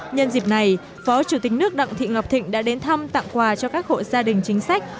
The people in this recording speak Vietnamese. nhân dịp này phó chủ tịch nước đặng thị ngọc thịnh đã đến thăm tặng quà cho các hộ gia đình chính sách